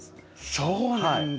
そうなんだ。